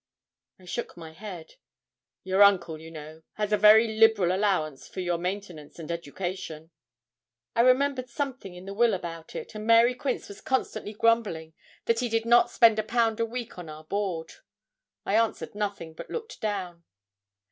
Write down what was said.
I shook my head. 'Your uncle, you know, has a very liberal allowance for your maintenance and education.' I remembered something in the will about it, and Mary Quince was constantly grumbling that 'he did not spend a pound a week on our board.' I answered nothing, but looked down.